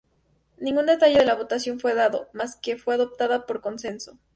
Ningún detalle de la votación fue dado, más que fue adoptada "por consenso".